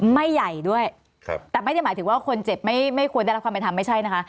ไม่ใหญ่ด้วยครับแต่ไม่ได้หมายถึงว่าคนเจ็บไม่ไม่ควรได้รับความเป็นธรรมไม่ใช่นะคะ